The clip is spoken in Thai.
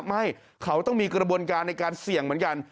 ไม่เขาต้องมีกระบวนการในการเสี่ยงเหมือนกัน